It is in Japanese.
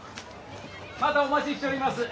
またお待ちしちょります。